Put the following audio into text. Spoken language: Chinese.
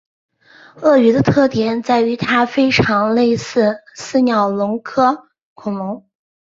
灵鳄的特点在于它非常类似似鸟龙科恐龙。